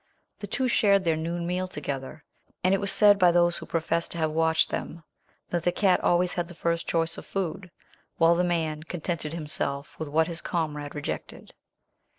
The two shared their noon meal together; and it was said by those who professed to have watched them that the cat always had the first choice of food, while the man contented himself with what his comrade rejected.